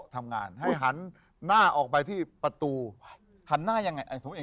คิกคิกคิกคิกคิกคิกคิกคิกคิก